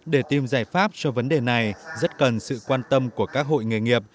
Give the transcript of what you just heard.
để tìm giải pháp cho vấn đề này rất cần sự quan tâm của các hội nghề nghiệp